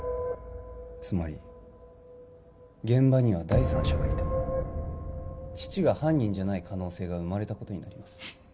つまり現場には第三者がいた父が犯人じゃない可能性が生まれたことになります